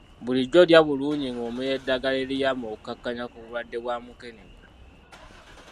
Bulijjo lya bulungi ng'omira eddagala eriyamba okukakkanya ku bulwadde bwa mukenenya.